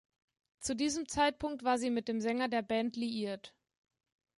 Zu diesem Zeitpunkt war sie mit dem Sänger der Band liiert.